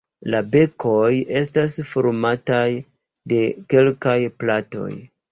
La bekoj estas formataj de kelkaj platoj.